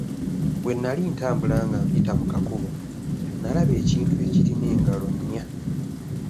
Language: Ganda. Bwe nnali ntambula nga mpita mu kakubo, nnalaba ekintu ekirina engalo nnya.